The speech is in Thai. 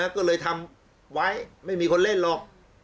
ก็เลยทำไว้ไม่มีคนเล่นหรอก